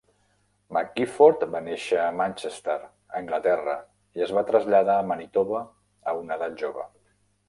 McGifford va néixer a Manchester, Anglaterra, i es va traslladar a Manitoba a una edat jove.